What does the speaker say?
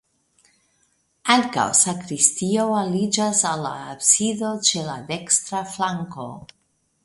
Ankaŭ sakristio aliĝas al la absido ĉe la dekstra flanko.